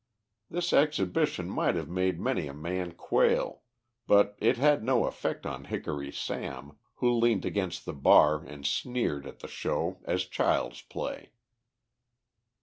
This exhibition might have made many a man quail, but it had no effect on Hickory Sam, who leant against the bar and sneered at the show as child's play.